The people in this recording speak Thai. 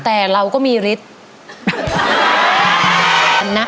แต่เราก็มีฤทธิ์